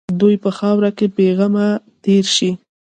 دوی په خاوره کې بېغمه تېر شي.